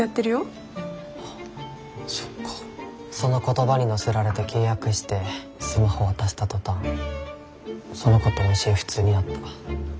その言葉に乗せられて契約してスマホ渡した途端その子と音信不通になった。